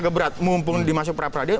berat mumpung dimasuk peraturan